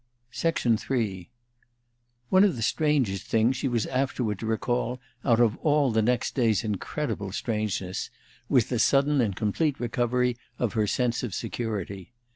III One of the strangest things she was afterward to recall out of all the next day's incredible strangeness was the sudden and complete recovery of her sense of security.